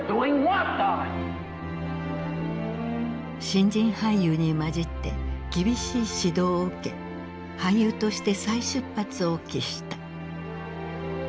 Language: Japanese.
新人俳優に交じって厳しい指導を受け俳優として再出発を期した。